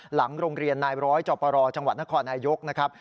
หลังโรงเรียนนายร้อยจปรจนครรยกษ์นะครับ